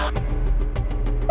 ini dia juru sepatu